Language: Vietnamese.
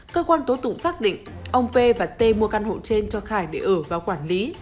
cơ quan tố tụng xác định ông p và t mua căn hộ trên cho khải để ở và quản lý